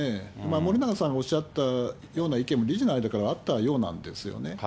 森永さんがおっしゃったような意見も、理事の間からはあったようなんですよね。